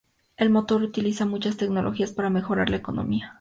El motor utiliza muchas tecnologías para mejorar la economía.